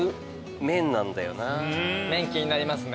麺気になりますね。